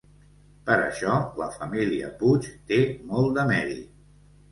Per això, la família Puig té molt de mèrit.